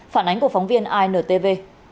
phản ánh của phóng viên intv